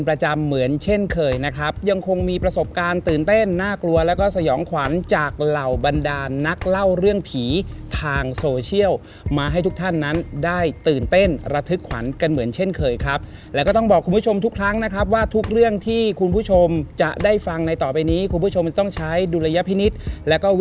ประจำเหมือนเช่นเคยนะครับยังคงมีประสบการณ์ตื่นเต้นน่ากลัวแล้วก็สยองขวัญจากเหล่าบรรดานนักเล่าเรื่องผีทางโซเชียลมาให้ทุกท่านนั้นได้ตื่นเต้นระทึกขวัญกันเหมือนเช่นเคยครับแล้วก็ต้องบอกคุณผู้ชมทุกครั้งนะครับว่าทุกเรื่องที่คุณผู้ชมจะได้ฟังในต่อไปนี้คุณผู้ชมจะต้องใช้ดุลยพินิษฐ์แล้วก็ว